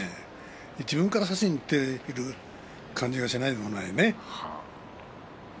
自分から差しにいっている感じがしないでもないね。